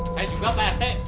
saya juga pak rt